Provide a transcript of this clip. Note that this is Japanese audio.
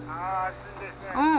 うん。